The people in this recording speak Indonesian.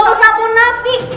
gak usah munafik